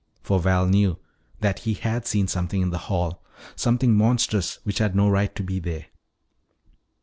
For Val knew that he had seen something in the hall, something monstrous which had no right to be there.